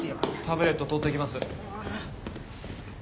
タブレット取ってきます。